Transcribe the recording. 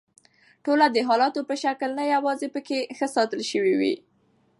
ټوله د حالتونو په شکل نه یواځي پکښې ښه ساتل شوي دي